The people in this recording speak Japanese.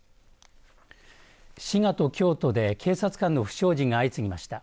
滋賀と京都で警察官の不祥事が相次ぎました。